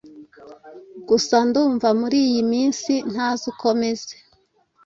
gusa ndumva muri iyi minsi ntazi uko meze;